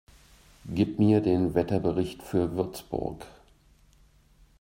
Gib mir den Wetterbericht für Würzburg